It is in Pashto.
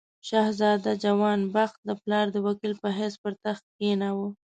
شهزاده جوان بخت د پلار د وکیل په حیث پر تخت کښېناوه.